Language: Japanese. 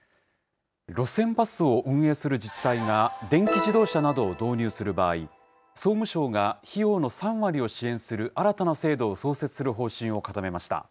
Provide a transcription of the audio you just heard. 路線バスを運営する自治体が電気自動車などを導入する場合、総務省が費用の３割を支援する新たな制度を創設する方針を固めました。